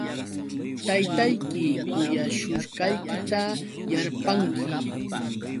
Taytayki kuyashushqaykita yarpanki.